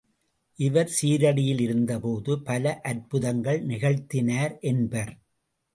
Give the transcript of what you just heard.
இவர் சீரடியில் இருந்தபோது பல அற்புதங்கள் நிகழ்த்தினார் என்பர்.